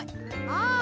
ああ。